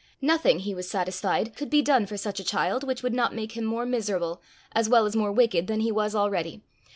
Nothing, he was satisfied, could be done for such a child, which would not make him more miserable, as well as more wicked, than he was already.